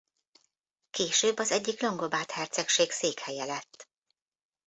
Később az egyik longobárd hercegség székhelye lett.